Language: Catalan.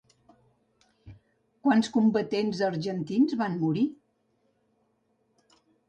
Quants combatents argentins van morir?